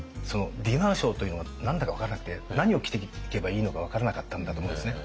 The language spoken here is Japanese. ディナーショーというのが何だか分からなくて何を着ていけばいいのか分からなかったんだと思うんですね。